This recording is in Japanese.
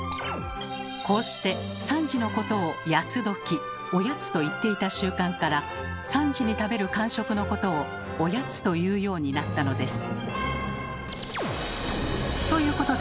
こうして３時のことを「八つ刻」「御八つ」と言っていた習慣から３時に食べる間食のことを「おやつ」と言うようになったのです。